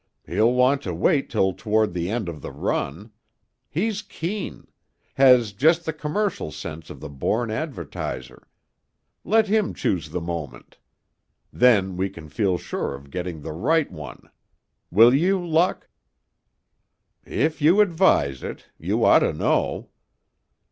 He'll want to wait till toward the end of the run. He's keen; has just the commercial sense of the born advertiser. Let him choose the moment. Then we can feel sure of getting the right one. Will you, Luck?" "If you advise it. You ought to know."